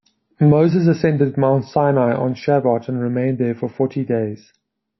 Moses ascended Mount Sinai on Shavuot and remained there for forty days.